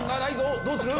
どうする？